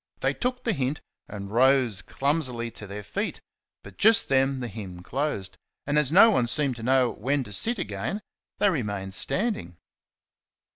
They took the hint and rose clumsily to their feet, but just then the hymn closed, and, as no one seemed to know when to sit again, they remained standing.